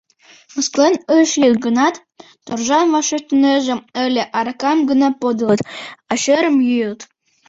Мыскылен ыш йод гынат, торжан вашештынеже ыле: аракам гына подылыт, а шӧрым — йӱыт.